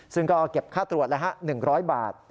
ซึ่งก็เก็บค่าตรวจแล้ว๑๐๐บาท